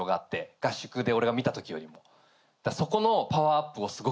合宿で俺が見た時よりも。